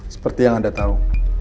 seperti yang anda tahu